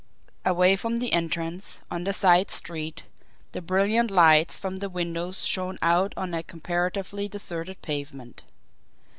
Away from the entrance, on the side street, the brilliant lights from the windows shone out on a comparatively deserted pavement.